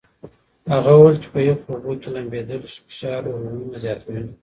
هغه وویل چې په یخو اوبو کې لامبېدل فشار هورمونونه زیاتوي.